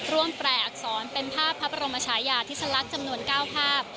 แปลอักษรเป็นภาพพระบรมชายาธิสลักษณ์จำนวน๙ภาพ